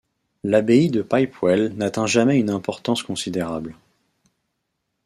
L'abbaye de Pipewell n'atteint jamais une importance considérable.